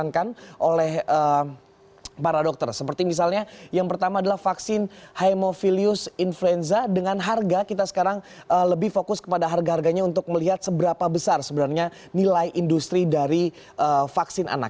seperti misalnya yang pertama adalah vaksin himophilius influenza dengan harga kita sekarang lebih fokus kepada harga harganya untuk melihat seberapa besar sebenarnya nilai industri dari vaksin anak